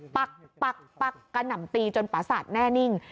ปักปักกระหน่ำตีจนปราสาทแน่นิ่ง